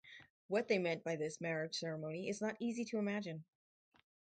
What they meant by this marriage ceremony is not easy to imagine.